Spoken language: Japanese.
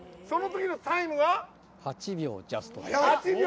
そのときのタイムが８秒ジャスト。